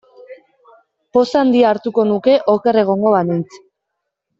Poz handia hartuko nuke oker egongo banintz.